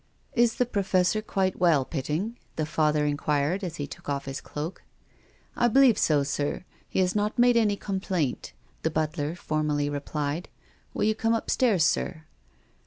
"Is the Professor quite well, Pitting?" the Father inquired as he took off his cloak. " I believe so, sir. He has not made any com plaint," the butler formally replied. "Will you come upstairs, sir?"